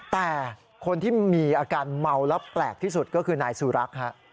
แต่คนที่มีอาการเมาแล้วแปลกที่สุดก็คือนายสุรักษ์ฮะ